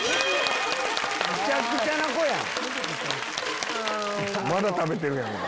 むちゃくちゃな子やん。